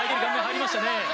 入りましたよ。